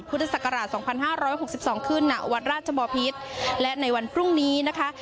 พุทธศักราชสองพันห้าร้อยหกสิบสองคืนนาวัดราชบอพิษและในวันพรุ่งนี้นะคะ